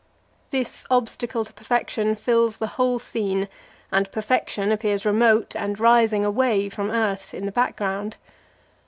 This obstacle to perfection fills the whole scene, and perfection appears remote and rising away from earth, in the background.